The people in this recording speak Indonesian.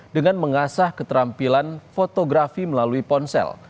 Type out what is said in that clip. dengan mengasah keterampilan fotografi melalui ponsel